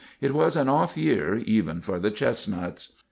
It was an off year even for the chestnuts.